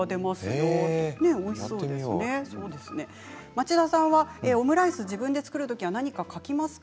「町田さんはオムライス自分で作るときは何か書きますか？